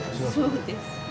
そうです。